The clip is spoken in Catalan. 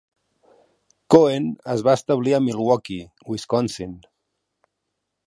Cohen es va establir a Milwaukee, Wisconsin.